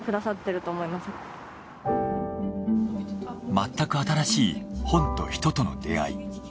まったく新しい本と人との出会い。